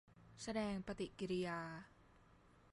แสดงปฏิกิริยา